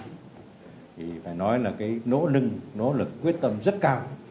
thì phải nói là cái nỗ lực nỗ lực quyết tâm rất cao